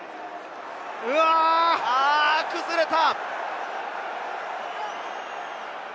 崩れた！